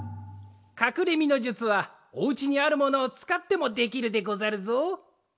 かくれみのじゅつはおうちにあるものをつかってもできるでござるぞ。